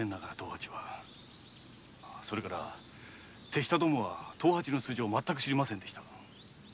それから手下どもは藤八の素性を全く知りませんでした。